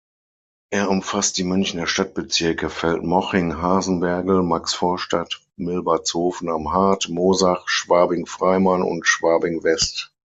Er umfasst die Münchner Stadtbezirke Feldmoching-Hasenbergl, Maxvorstadt, Milbertshofen-Am Hart, Moosach, Schwabing-Freimann und Schwabing-West.